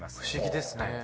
不思議ですね。